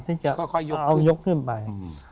ที่จะเอายกขึ้นไป